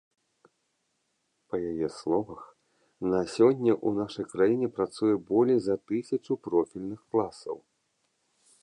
Па яе словах, на сёння ў нашай краіне працуе болей за тысячу профільных класаў.